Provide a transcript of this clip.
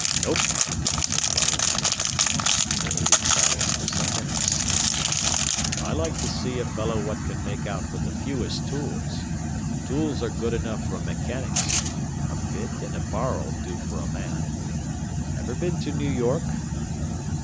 "Nope," said Trunnell. They ate in silence for some minutes. "I like to see a fellow what can make out with the fewest tools. Tools are good enough for mechanics; a bit an' a bar'll do for a man. Ever been to New York?"